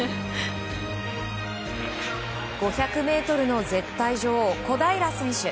５００ｍの絶対女王小平選手。